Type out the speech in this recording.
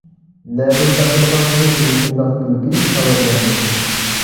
نەدىن تاپىدىغانسىز مۇشۇنداق كۈلكىلىك خەۋەرلەرنى؟